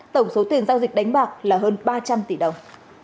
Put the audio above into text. tổng số tiền giao dịch đánh bạc là hơn ba trăm linh tỷ đồng